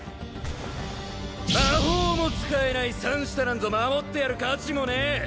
魔法も使えない三下なんぞ守ってやる価値もねえ